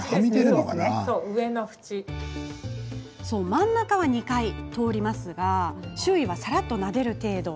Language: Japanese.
真ん中は２回、通りますが周囲は、さらっとなでる程度。